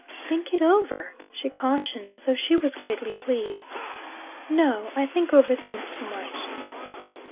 "Think it over," she cautioned, though she was greatly pleased. "No; I think over things too much."